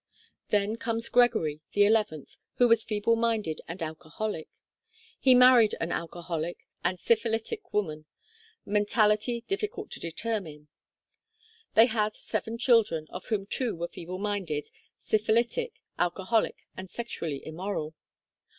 Then comes Gregory, the eleventh, who was feeble minded and alcoholic. He married an alcoholic and syphilitic woman, mentality difficult to determine. They had seven children, of whom two were feeble minded, syphilitic, alcoholic, and sexually immoral.